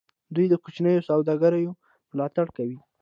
دوی د کوچنیو سوداګریو ملاتړ کوي.